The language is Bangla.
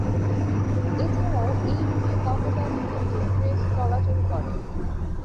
এছাড়াও এ রুটে কপোতাক্ষ এক্সপ্রেস চলাচল করে।